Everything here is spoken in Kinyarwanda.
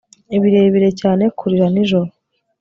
birebire cyane kurira nijoro